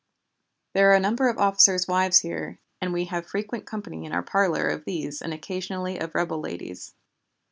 There are a number of officers' wives here, and we have frequent company in our parlor of these and occasionally of rebel ladies.